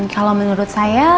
kalau menurut saya